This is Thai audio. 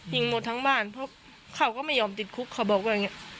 หมดทั้งบ้านเพราะเขาก็ไม่ยอมติดคุกเขาบอกว่าอย่างนี้